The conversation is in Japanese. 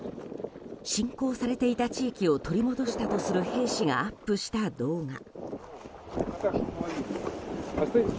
侵攻されていた地域を取り戻したとする兵士がアップした動画。